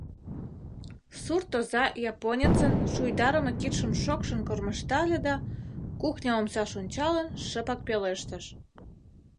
Сурт оза японецын шуйдарыме кидшым шокшын кормыжтале да, кухня омсаш ончалын, шыпак пелештыш: